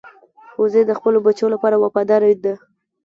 وزې د خپلو بچو لپاره وفاداره ده